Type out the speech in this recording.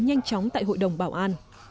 nhanh chóng tại hội đồng bảo an